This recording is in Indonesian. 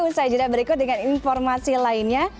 usai jeda berikut dengan informasi lainnya